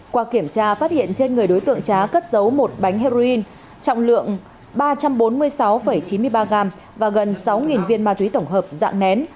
qua kiểm tra phát hiện trên người đối tượng trá cất giấu một bánh heroin trọng lượng ba trăm bốn mươi sáu chín mươi ba gram và gần sáu viên ma túy tổng hợp dạng nén